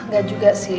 gak juga sih